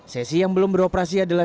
sesi yang belum beroperasi adalah